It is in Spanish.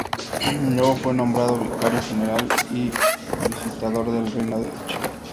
Luego fue nombrado vicario general y visitador del "Reino de Chile".